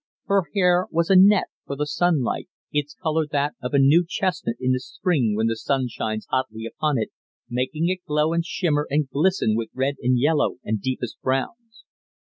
Her hair was "a net for the sunlight," its colour that of a new chestnut in the spring when the sun shines hotly upon it, making it glow and shimmer and glisten with red and yellow and deepest browns.